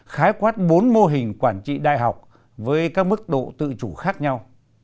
khái quát bốn mô hình quản trị đại học với các mức độ tự chủ khác nhau